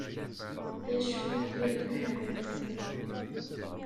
D acu, yirbeḥ a baba".